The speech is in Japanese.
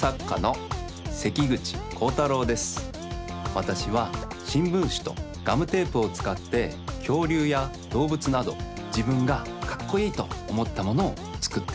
わたしはしんぶんしとガムテープをつかってきょうりゅうやどうぶつなどじぶんがかっこいいとおもったものをつくっています。